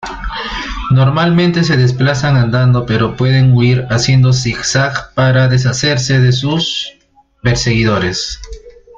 Normalmente se desplazan andando pero pueden huir haciendo zig-zag para deshacerse de sus perseguidores.